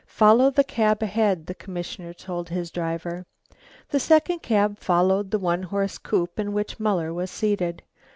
"Follow that cab ahead," the commissioner told his driver. The second cab followed the one horse coupe in which Muller was seated.